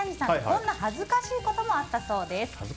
こんな恥ずかしいこともあったそうです。